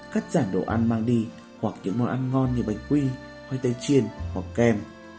cắt giảm đồ ăn mang đi hoặc những món ăn ngon như bánh quy khoai tây chiên hoặc kem